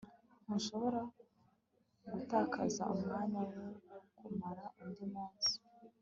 ntushobora gutakaza umwanya wo kumara undi munsi